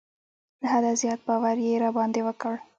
له حده زیات باور یې را باندې وکړ.